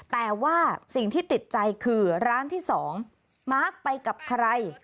แต่ว่าสิ่งที่ติดใจคือร้านที่๒มาร์คไปกับใคร